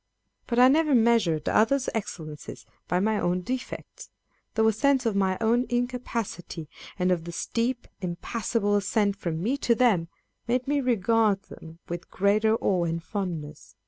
But I never measured others' excellences by my own defects : though a sense of my own incapacity, and of the steep, impassable ascent from me to them, made me regard them with greater awe and fondness.